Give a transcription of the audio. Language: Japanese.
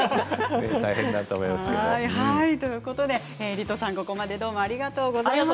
リトさん、ここまでありがとうございました。